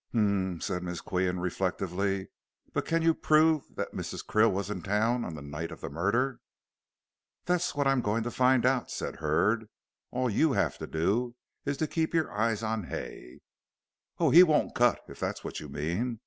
"Hum," said Miss Qian, reflectively, "but can you prove that Mrs. Krill was in town on the night of the murder?" "That's what I'm going to find out," said Hurd. "All you have to do is to keep your eyes on Hay " "Oh, he won't cut, if that's what you mean.